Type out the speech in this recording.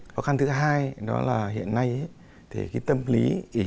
cái khó khăn thứ hai đó là hiện nay thì tâm lý